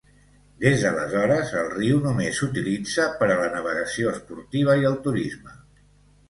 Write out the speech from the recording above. Des d'aleshores, el riu només s'utilitza per a la navegació esportiva i el turisme.